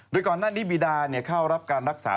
โดยก่อนหน้านี้บีดาเข้ารับการรักษา